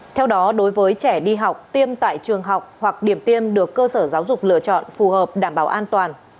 theo đó đối với trẻ đi học tiêm tại trường học hoặc điểm tiêm được cơ sở giáo dục lựa chọn phù hợp đảm bảo an toàn